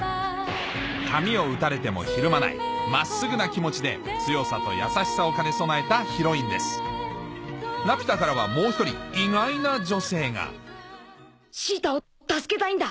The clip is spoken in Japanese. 髪を撃たれてもひるまない真っすぐな気持ちで強さと優しさを兼ね備えたヒロインです『ラピュタ』からはもう一人意外な女性がシータを助けたいんだ。